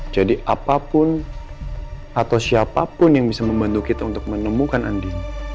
jadi apapun atau siapapun yang bisa membantu kita untuk menemukan andi